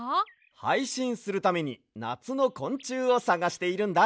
はいしんするためになつのこんちゅうをさがしているんだ。